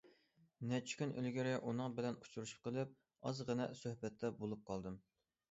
نەچچە كۈن ئىلگىرى ئۇنىڭ بىلەن ئۇچرىشىپ قېلىپ ئازغىنە سۆھبەتتە بولۇپ قالدىم.